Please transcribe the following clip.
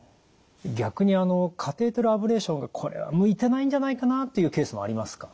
逆にカテーテルアブレーションがこれは向いてないんじゃないかなというケースもありますか？